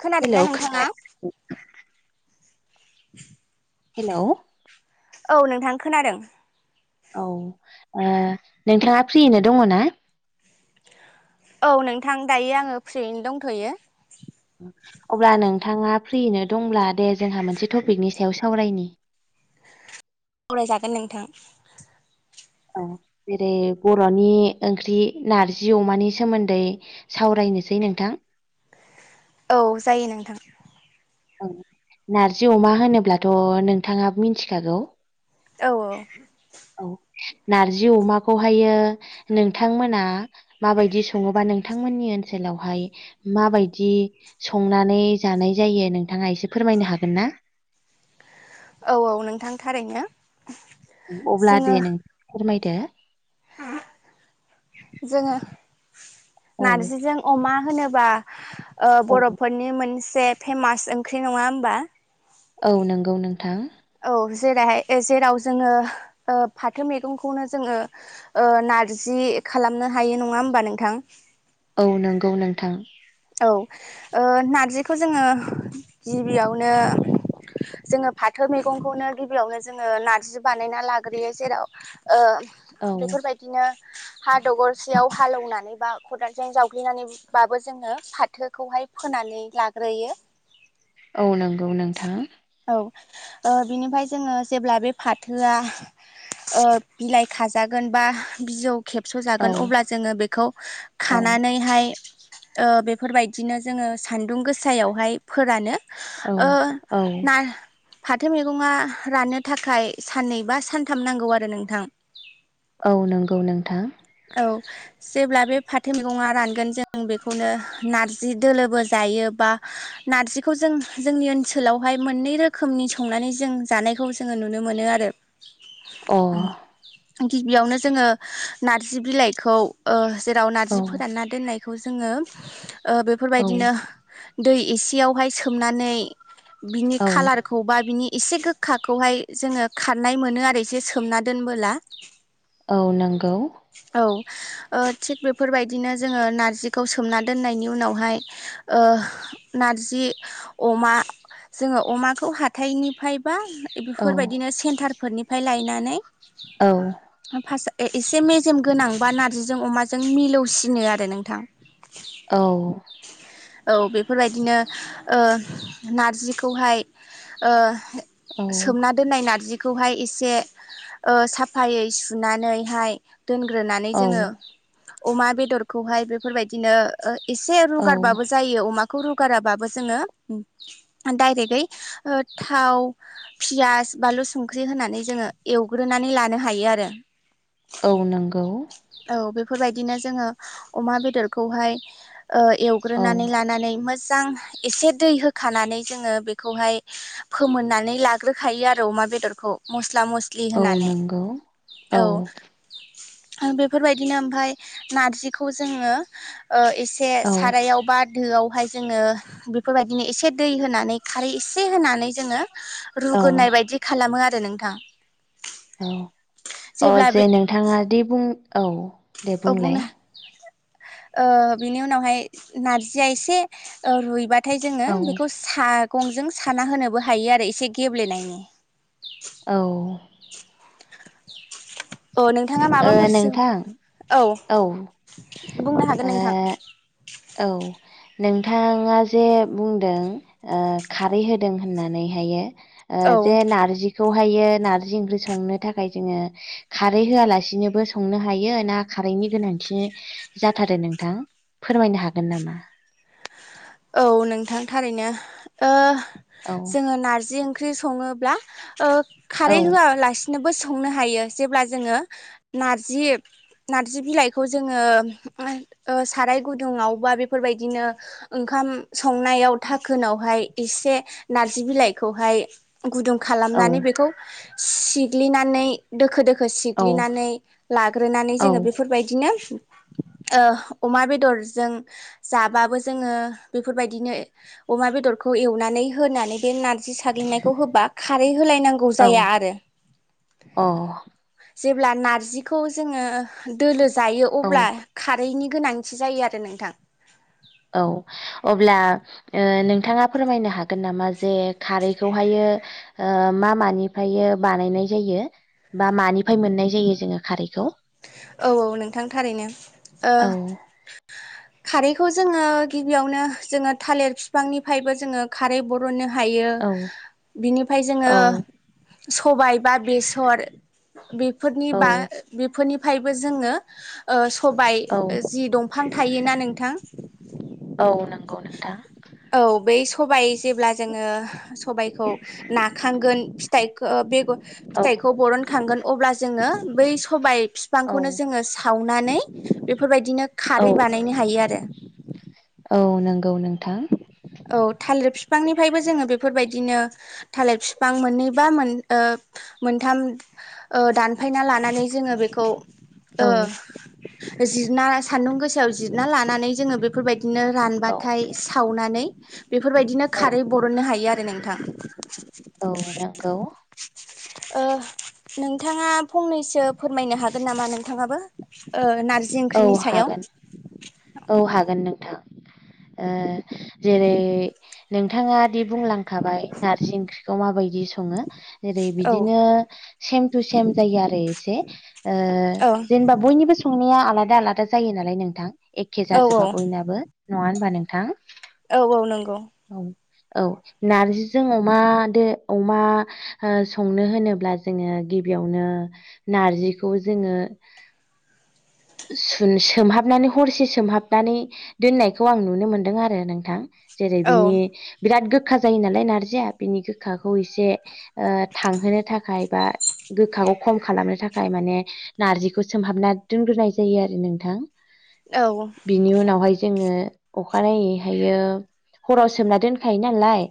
खोनादोंना हेलौ नोंथाङा [inaudible] [inaudible] हेलौ औ नोंथां खोनादों? औ ओ नोंथाङा फ्रियैनो दङ ना? औ नोंथां दायो आङो फ्रियैनो दंथ'यो। अब्ला नोंथाङा फ्रिनो दंब्ला दे जोंहा मोनसे टपिकनि सायाव सावरायनि। [inaudible] अरायजागोन नोंथां। आ जेरै बर'नि ओंख्रि नारजि अमानि सोमोन्दै सावराय नोसै नोंथां। औ जायो नोंथां। औ नारजि अमा होनोब्लाथ' नोंथाङाब मिनथिखागौ। औ औ। नारजि अमाखौहायो नोंथांमोना माबायदि सङोबा नोंथांमोननि ओनावहाय माबायदि संनानै जानाय जायो नों थाङा एसे फोरमायनो हागोन ना? औ औ नोंथां थारैनो। औ अब्ला जोङो दे नों फोरमायदो। जोङो औ नारजिजों अमा होनोबा ओ औ बर'फ फोरनि मोनसे फेमास ओंख्रि। नङा होमबा? औ नोंगौ नोंथां। औ जेराहाय ए जेराव जोङो ओ फाथो मैगंखौनो जोङो ओ ना नारजि खालामनो हायो नङा होमबा नोंथां? औ नोंगौ नोंथां। औ ओ नारजिखौ जोङो गिबियावनो जोङो फाथो मैगंखौनो गिबियावनो जोङो नारजि बानायना लाग्रोयो जेराव ओ औ बेफोरबायदिनो हा दगरसेयाव हालोवनानै बा खदालजों जावग्लिनानैबाबो जोङो फाथोखौहाय फोनानै लाग्रोयो। औ नोंगौ नोंथां। औ ओ बिनिफाय जोङो जेब्ला बे फाथोआ ओ बिलाइ खाजागोन बा बिजौ खेबस' औ जागोन अब्ला जोङो बेखौ औ खानानैहाय ओ बे फोरबायदिनो जोङो सान्दुं गोसायावहाय फोरानो औ ओ औ ना फाथो मेगंआ राननो थाखाय साननै बा सानथाम नांगौ आरो नोंथां। औ नोंगौ नोंथां। औ जेब्ला बे फाथो मेगङा रानगोन जों बेखौनो नारजि दोलोबो जायो बा नारजिखौ जों जोंनि ओनसोलावहाय मोननै रोखोमनि। संनानै जों जानायखौ जोङो नुनो मोनो आरो। अ उम गिबियावनो जोङो नारजि बिलाइखौ ओ। जेराव नारजि औ फोरानना दोननायखौ जोङो ओ औ बेफोरबायदिनो दै एसेयावहाय सोमनानै बिनि औ खालारखौ बा बिनि एसे गोखाखौहाय जोङो खारनाय मोनो आरो एसे सोमना दोनबोला। औ नोंगौ। औ ओ थिग बेफोरबायदिनो जोङो नारजिखौ सोमना दोननाय बेनि उनावहाय नारजि, अमा जोङो अमाखौ हााइनिफ्राय बा औ बेफोरबायदिनो सेन्टारफोरनिफ्राय लायनानै औ एसे मेजेम गोनांबा नारजिजों, अमाजों जों मिलौसिनो आरो नोंथां औ। औ बेफोरबायदिनो ओ नारजिखौहाय ओ सोमना दोननाय नारजिखौ बेखौहाय एसे ओ साफायै सुनानैहाय दोनग्रोनानै जोङो औ अमा बेदरखौहाय बेफोर बायदिनो एसे औ रुगारबाबो जायो अमाखौ। खौ रुगाराबाबो जोङो डाइरेक्टयै थाव पियास बानलु संख्रि होनानै जोङो एवग्रोनानै लानो हायो आरो। औ नंगौ। औ बेफोरबायदिनो जोङो अमा बेदरखौहाय ओ औ एवग्रोनानै लानानै मोजां मोजां एसे दै होखानानै जोङो बेखौहाय फोमोननानै लाग्रोखायो आरो अमा बेदरखौ मस्ला मस्लि औ होनानै नंगौ औ बेफोरबायदिनो ओमफ्राय नारजिखौ जोङो ओ एसे औ सारायावबा। दोयावहाय जोङो बेफोरबायदिनो एसे दै होनानै खारै एसे होनानै जोङो। औ रुगोनाय बायदि खालामो आरो नोंथां। औ औ जेब्ला बे जे नोंथाङा दे बुं औ दे औ बुंनो बुंलाय। ओ बिनि उनावहाय नारजिया एसे रुइबा थाय जोङो औ बेखौ सागंजों साना होनोबो हायो आरो एसे गेब्लेनायनि। औ ओ औ नोंथाङा माबाफोरसो नोंथां औ बुंनो हागोन नोंथां। औ नोंथाङा जे बुंदों ओ खारै होदों होननानैहायो। ओ औ जे नारजि खौहायो नारजि ओंख्रि संनो थाखाय जोङो खारै होयालासिनोबो संनो हायो ना खारैनि गोनांथि जाथारो नोंथां फोरमायनो हागोन नामा? औ नोंथां थारैनो ओ औ जोङो नारजि ओंख्रि ख्रि सङोब्ला ओ औ खारै होयालासिनोबो स संनो हायो जेब्ला जोङो नारजि नारजि बिलाइखौ जोङो ओ साराय गुदुङावबा बेफोरबायदिनो ओंखाम संनायाव थाखोनावहाय एसे नारजि बिलाइखौहाय गुदुं औ खालामनानै बेखौ सिग्लिनानै दोखो दोखो खो औ सिग्लिनानै लाग्रोनानै औ जोङो बेफोरबादिनो अमा बेदर जों जाबाबो जों जोङो बेफोरबायदिनो अमा बेदरखौ एवनानै होनानै बे नार जि साग्नियखौ होबा खारै होलायनांगौ जाया आरो। औ जेब्ला नारजिखौ जोङो दोलो जायो अ अब्ला औ खारैनि गोनांथि जायो आरो नोंथां। औ अब्ला नोंथाङा ओ फोरमायनो हागोन नामा जे खारैखौहायो ओ मा मानिफ्राय बानायनाय जायो? बा मानिफ्राय मोननाय जायो जोङो खारैखौ औ औ नोंथां थारैनो ओ औ खारैखौ जोङो गिबियावनो जोङो थालिर बिफांनिफ्रायबो जोङो खारै बरनो। हायो औ बिनिफ्राय जोङो औ सबाय बा बेसर बेफोरनि औ बा बेफोरनि फ्रायबो जोङो ओ सबाय औ जि दंफां थायोना नोंथां? औ नंगौ नोंथां औ बै स सबा जेब्ला जोङो सबायखौ नाखांगोन फिथाइखौ बेगर औ फिथाइखौ बरनखांगोन अब्ला जोङो बै सबाय औ बिफांखौनो जोङो साव सावनानै बेफोरबायदिनो औ खारै बानायनो हायो आरो। औ नंगौ नोंथां। औ थालिर बिफांनिफ्रायबो जोङो बेफोरबायदिनो थालिर बिफां मोननैबा मोन ओ मोनथाम ओ दानफायना लानानै जोङो बेखौ औ ओ जिरना सान्दुं गोसायाव जिरना लानानै जोङो बेफोरबायदिनो औ रानबाथाय सावनानै बेफोरबायदिनो औ खारै बरननो हायो आरो नोंथां। औ नंगौ। ओ नोंथाङा फंनैसो फोरमायनो हागोन नामा नोंथाङाबो ओ ना औ हागोन औ हागोन नोंथां। आ जेरै नोंथाङा दि बुंलांखाबाय नारजि ओंख्रिखौ माबायदि सङो। जेरै औ बिदिनो सेम टु सेम जायो आरो एसे। औ जेनेबा बयनिबो संनाया आलादा आलादा जायो नालाय नोंथां। एखे औ जाजोबा औ बयनाबो नङा होनबा नोंथां? औ औ नंगौ औ औ नारजिजों अमादो अमा ओ संनो होनोब्ला जोङो गिबियावनो नारजिखौ जोङो सुन सोमहाबनानै हरसे सोमहाबनानै दोननायखौ आं नुनो मोनदों आरो नोंथां। जेरै औ बिनि बिराद गोखा गोखा जायो नालाय नारजिया बिनि गोखाखौ एसे ओ थांहोनो थाखाय बा गोखा खम खालामनो थाखाय माने नारजिखौ सोमहाबना दोनग्रोनाय नोंथां औ बिनि उनावहाय जोङो अखानायैहायो हराव सोमना दोनखायो नालाय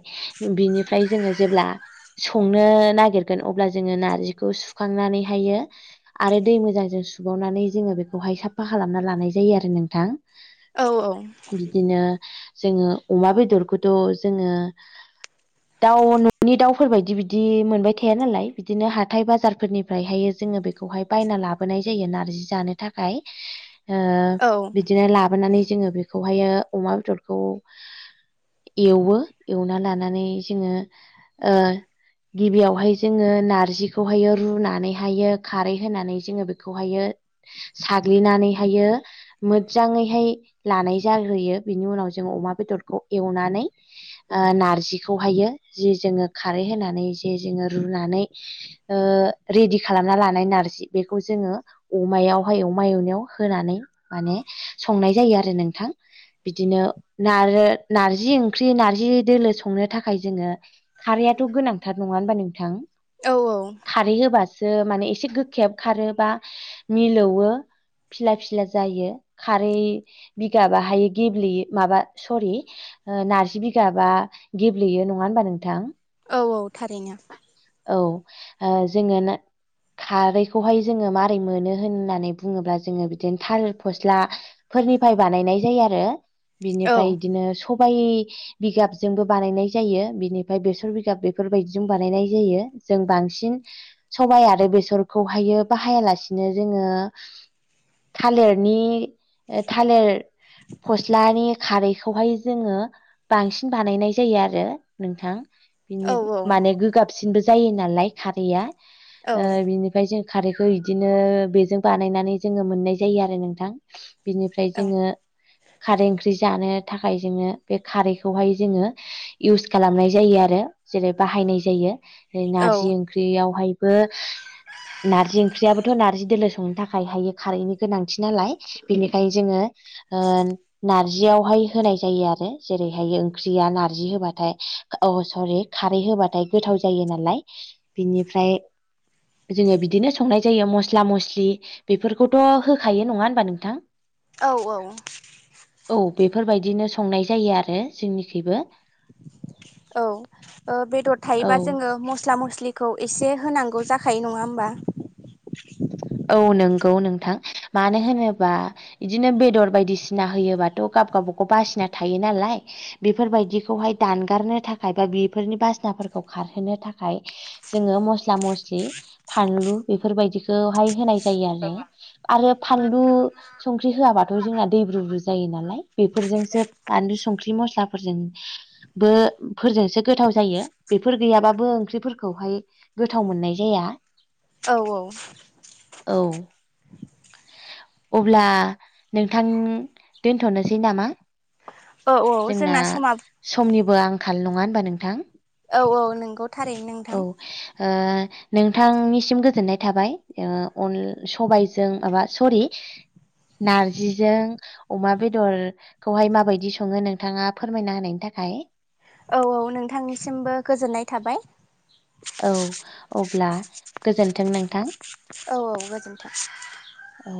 बिनिफ्राय जोङो जेब्ला संनो नागिरगोन अब्ला जोङो नारजिखौ सुखांनानैहायो आरो दै मोजांजों सुबुबावनानै जोङो बेखौ खौहाय साफा खालामना लानाय जायो आरो नोंथां औ औ बिदिनो जोङो अमा बेदरखौथ' जोङो दाउ न'नि दाउफोरबायदि बिदि मोनबाय थाया नालाय बिदिनो हाथाय बाजारफोरनिफ्रायहाय जों बिखौ हाय बायना लाबोनाय जायो। बिदिनो ला माबानानै जों बेखौ हायो अमा बेदरखौ एवो एवना लानानै जोङो ओ गिबियावहाय जोङो नारजिखौहायो रुनानैहायो खारै होनानै जोङो बेखौहायो साग्लिनानैहायो मोजाङैहाय लानाय जाहोयो बिनि उनाव जों अमा बेदरखौ एवनानै नारजिखौहायो जि जोङो खारै होनानै ज जोङो रुनानै ओ रेिदि खालामना लानाय नारजि बेखौ जोङो अ मायावहाय अमा एवनायाव होनानै माने संनाय जायो आरो नोंथां। बिदिनो नारजि ओंख्रि नारजि दोलो संनो थाखाय जोङो खारैथ' गोनांथार नङा होनबा नोंथां? औ खारै होबासो माने एसे गोखायाबो खारो बा मिलौवो फिसला फिसला जायो खारै बिगाबाहाय गेब्लेयो माबा सरि नारजि बिगाबा गेब्लेयो नङा होनबा नोंथां? औ औ थारैनो औ जोङो ना खारैखौहाय जोङो माबारै मोनो होननानै बुङोब्ला जोङो बिदिनो थालिर फस्ला फोरनिफ्राय बानायनाय जायो आरो। औ बिनिफ्राय बिदिनो सबाय बिगाबजोंबो बानायनाय जायो बिनिफ्राय बेसर बिगाब बेफोरबायदिजों बानायनाय जायो। जों बांसिन सबाय आरो बेसरखौहायो बाहायालासिनो जोङो थालिरनि थालिर फस्लानि खारैखौहाय जोङो बांसिन बानायनाय जायो आरो नोंथां। औ बिनि माने गोगाबसिनबो जायो नालाय खारैआ औ बिनिफ्राय जों खारैखौ बिदिनो बेजों बानायनानै जोङो मोननाय जायो आरो नोंथां। बिनिफ्राय जोङो खारै ओंख्रि ज थाखाय जो बे खारखौह जोङो खालामनाय जायो आरो जेरै बाय बायनाय जायो। नारजि ओंख्रियावहायबो नारजि ओंख्रियाबोथ नारजि दोलो सनो थाखायायो खारनि गोनांथि नालाय बेनिखायनो जो नारजियावहाय होनाय जायो आरो जेरैहायो ओंख्रिया नारजि होबाथाय सरि खारै होबाथाय गोथाव जायो नालाय बिनिफ्राय जोङो बिदिनो संनाय जायो मस्ला मस्लि फलि बेफोरखौथ होखायो नङा होमबा नोंथां? औ औ औ बेफोरबायदिनो संनाय जायो आरो जोंनिखबो। औ बेदर औ थायोबा जोङो मस्ला मस्लि खौ एसे होनांगौ जाखायो नङा होमबा? औ नंगौ नोंथां मानो औ होनोबा बिदिनो बेदर बायदिसिना होयोबाथ' गाब गाबब गाव बासिना थायो नालाय बेफोरबायदिखौहाय दानगारनो थाखाय बा बेफोरनि बासनाफोरखौ खारहोनो थाखाय जोङो मस्ला मस्लि फानलु बेफोरबायदिखौहाय होनाय जायो आरो। आरो फानलु संख्रि होआाबाथ जोंना दै ब्रु ब्रु जायो नालाय बेफोरजोंसो बानलु संख्रि मसलाफोरजोंबो गोथाव जायो बेफोर गैयाबाबो ओंख्रि खौहाय गोथाव मोननाय जाया। औ औ औ अब्ला नोंथां दोनथनोसै नामा? औ औ जोंना समा समनिबो आंखाल नङा होनबा नोंथां? औ औ नंगौ थारैनो औ नोंथां ओ नोंथांनिसिम गोजोननाय थाबाय सबायजों माबा सरि नारजिजों अमा बेदरखौहाय माबायदि स सङो नोंथाङा फोरमायना होनायनि थाखाय औ औ नोंथांनिसिमबो गोजोननाय थाबाय। औ अब्ला गोजोन्थों नोंथां। औ औ गोजोन्थों। औ।